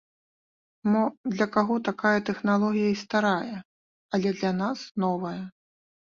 Мо, для каго такая тэхналогія і старая, але для нас новая.